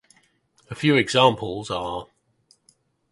A few examples are